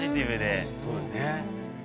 そうよね。